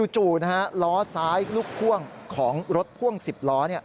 จู่ล้อซ้ายลูกพ่วงของรถพ่วง๑๐ล้อ